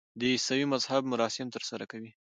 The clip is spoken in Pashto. د عیسوي مذهب مراسم ترسره کوي.